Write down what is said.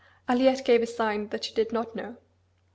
Aliette gave a sign that she did not know.